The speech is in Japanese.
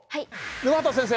沼畑先生。